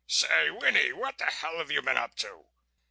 "Say, Winnie, what the hell have you been up to?"